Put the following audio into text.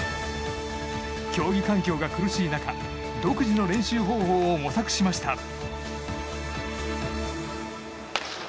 競技環境が苦しい中独自の練習方法を模索しました。